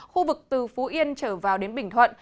khu vực từ phú yên trở vào đến bình thuận